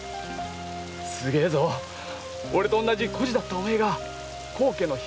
すげえぞ俺と同じ孤児だったお前が高家の姫君様だ！